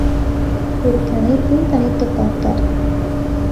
ஒரு கனைப்பும் கனைத்துப் பார்த்தார்.